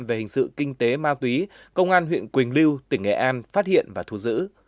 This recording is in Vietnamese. về hình sự kinh tế ma túy công an huyện quỳnh lưu tỉnh nghệ an phát hiện và thu giữ